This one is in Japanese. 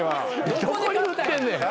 どこに売ってんねん。